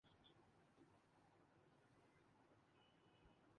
Pakistan Asia Cup کے اپنے پہلے معرکے میں کامیاب